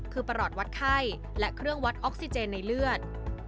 คือประหลอดวัดไข้และเครื่องวัดออกซิเจนในเลือด